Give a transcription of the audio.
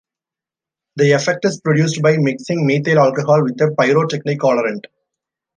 The effect is produced by mixing methyl alcohol with a pyrotechnic colorant.